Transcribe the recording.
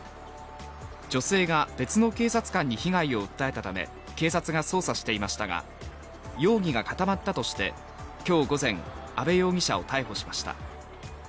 女性が別の警察官に被害を訴えたため警察が捜査していましたが、容疑が固まったとして今日午前、阿部容疑者を逮捕しました。